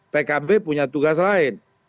pkb punya tugas lain